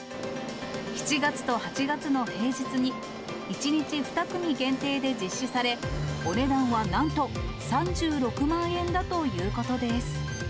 ７月と８月の平日に、１日２組限定で実施され、お値段はなんと３６万円だということです。